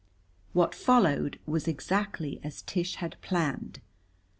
What followed was exactly as Tish had planned.